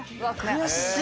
悔しい！